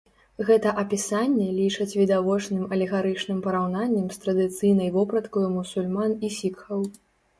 Гэта апісанне лічаць відавочным алегарычным параўнаннем з традыцыйнай вопраткаю мусульман і сікхаў.